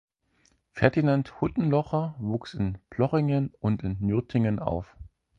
Ferdinand Huttenlocher wuchs in Plochingen und Nürtingen auf.